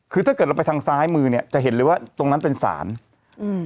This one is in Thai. คือถ้าเกิดเราไปทางซ้ายมือเนี้ยจะเห็นเลยว่าตรงนั้นเป็นศาลอืม